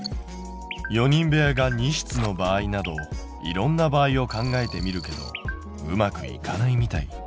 ４人部屋が２室の場合などいろんな場合を考えてみるけどうまくいかないみたい。